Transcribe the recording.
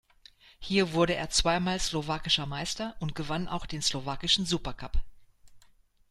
Hier wurde er zweimal slowakischer Meister und gewann auch den slowakischen Supercup.